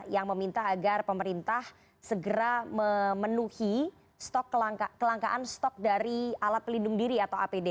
yang meminta agar pemerintah segera memenuhi kelangkaan stok dari alat pelindung diri atau apd